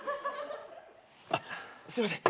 あっすいません